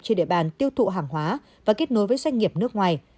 trên địa bàn tiêu thụ hàng hóa và kết nối với doanh nghiệp nước ngoài